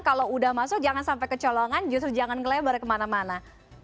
kalau sudah masuk jangan sampai ke colongan justru jangan ngelebar kemana mana